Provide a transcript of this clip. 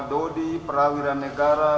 dodi perawiran negara